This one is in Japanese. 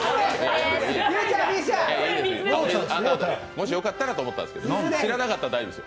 もしよかったらと思ったんですけど知らなかったらいいですよ。